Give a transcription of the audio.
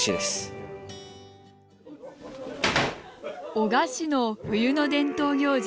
男鹿市の冬の伝統行事